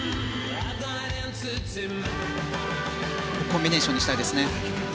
コンビネーションにしたいですね。